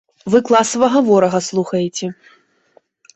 Вы класавага ворага слухаеце!